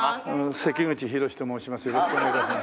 関口宏と申します。